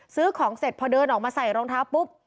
ซื้อของเสร็จพอเดินออกมาใส่รองเท้าปุ๊บ